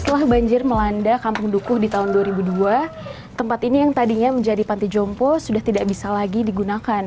setelah banjir melanda kampung dukuh di tahun dua ribu dua tempat ini yang tadinya menjadi panti jompo sudah tidak bisa lagi digunakan